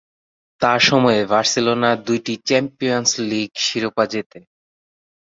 তার সময়ে বার্সেলোনা দুইটি চ্যাম্পিয়নস লীগ শিরোপা জেতে।